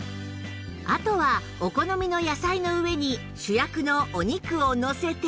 あとはお好みの野菜の上に主役のお肉をのせて